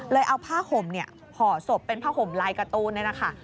เลยเอาผ้าห่มห่อศพเป็นผ้าห่มลายการ์ตูน